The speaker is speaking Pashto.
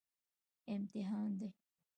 امتحان دی